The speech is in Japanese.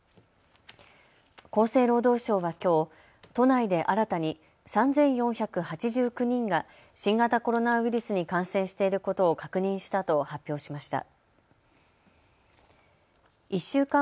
厚生労働省はきょう都内で新たに３４８９人が新型コロナウイルスに感染していることを確認したと発表しました。